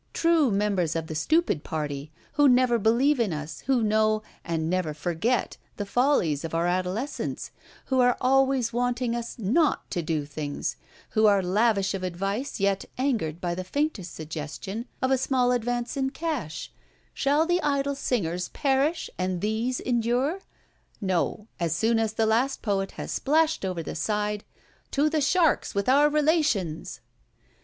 True members of the "stupid party," who never believe in us, who know (and never forget) the follies of our adolescence; who are always wanting us not to do things; who are lavish of advice, yet angered by the faintest suggestion of a small advance in cash: shall the idle singers perish and these endure? No: as soon as the last poet has splashed over the side, to the sharks with our relations!